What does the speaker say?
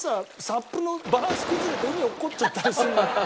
サップのバランス崩れて海に落っこちちゃったりするのよ。